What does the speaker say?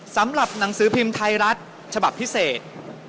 สำหรับหนังสือพิมพ์ไทยรัฐฉบับพิเศษ